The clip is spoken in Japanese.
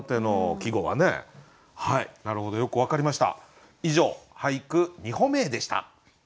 以上「俳句、二歩目へ」でした。